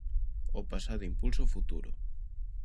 O pasado impulsa o futuro.